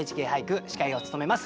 司会を務めます